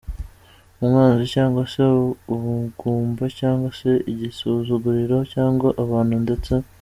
umwanzi, cyangwa se ubugumba, cyangwa se igisuzuguriro, cyangwa abantu ndetse.